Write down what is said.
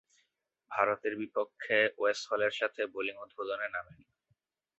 ভারতের বিপক্ষে ওয়েস হলের সাথে বোলিং উদ্বোধনে নামেন।